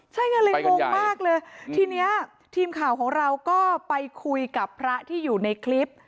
ใช่ไงเลยงงมากเลยทีนี้ทีมข่าวของเราก็ไปคุยกับพระที่อยู่ในคลิป